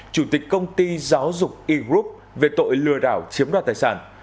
chủ tịch công ty giáo dục e group về tội lừa đảo chiếm đoạt tài sản